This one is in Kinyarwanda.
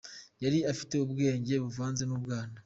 Yari afite ubwenge, buvanze mu bwana.